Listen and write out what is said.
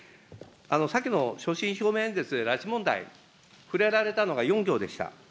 先の所信表明演説で拉致問題、触れられたのが４行でした。